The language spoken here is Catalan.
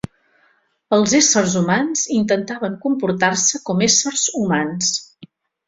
Els éssers humans intentaven comportar-se com a éssers humans